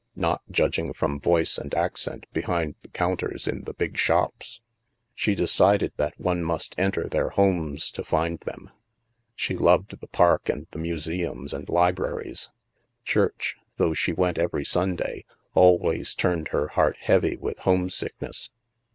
Not, judging from voice and ac cent, behind the counters in the big shops. She de cided that one must enter their homes to find them. She loved the park and the museums and li braries. Church, though she went every Sunday, al ways turned her heart heavy with homesickness.